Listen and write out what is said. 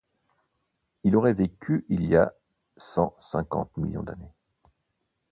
Il aurait vécu il y a cent-cinquante millions d’années.